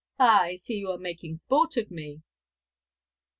Ah, I see you are making sport of me.